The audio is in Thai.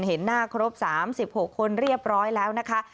เห็นหน้าครบ๓๖คนเรียบร้อยแล้วนะคะ